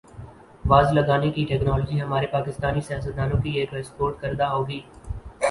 was لگانے کی technology ہمارے پاکستانی سیاستدا نوں کی ایکسپورٹ کردہ ہوگی